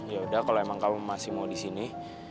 yaudah kalo emang kamu masih mau disini